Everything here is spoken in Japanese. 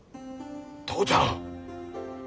父ちゃん！